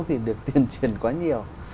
thì được tuyên truyền quá nhiều